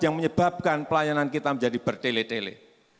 yang menyebabkan pelayanan kita menjadi bertele tele